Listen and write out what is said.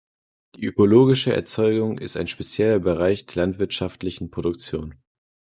Die ökologische Erzeugung ist ein spezieller Bereich der landwirtschaftlichen Produktion.